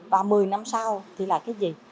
và một mươi năm sau thì là cái gì